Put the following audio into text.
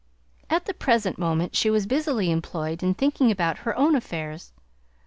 At the present moment she was busily employed in thinking about her own affairs.